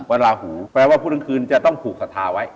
ลาหูแปลว่าพุธกลางคืนจะต้องผูกศรัทธาไว้